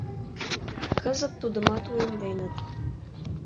Кызыт тудымат уэмденыт.